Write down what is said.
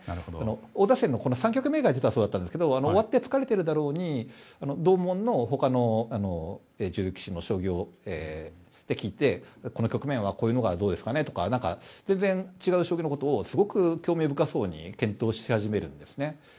王座戦の第３局目実はそうだったんですけど終わって、疲れているでしょうに同門の他の棋士の将棋を聞いてこの局面はこれはどうですかとか全然違う将棋のことをすごく興味深そうに検討し始めるんですよね。